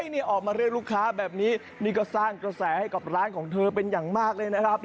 นี่ออกมาเรียกลูกค้าแบบนี้นี่ก็สร้างกระแสให้กับร้านของเธอเป็นอย่างมากเลยนะครับ